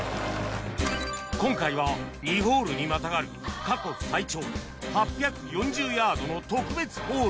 今回は２ホールにまたがる過去最長８４０ヤードの特別ホール